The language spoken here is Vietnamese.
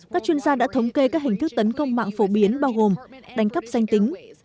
các chuyên gia đã thống kê các hình thức tấn công mạng phổ biến bao gồm đánh cắp danh tính